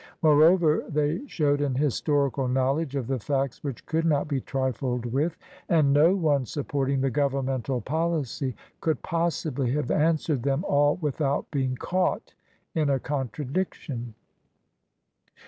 Moreover, they showed an historical knowledge of the facts which could not be trifled with, and no one supporting the governmental policy could possibly have answered them all without being caught in a contradiction.